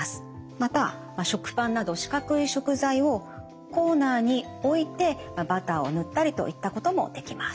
また食パンなど四角い食材をコーナーに置いてバターを塗ったりといったこともできます。